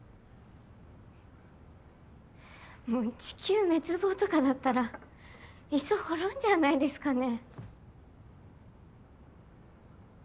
もう地球滅亡とかなったらいっそ滅んじゃわないですかね。